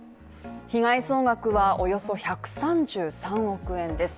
被害総額はおよそ１３３億円です。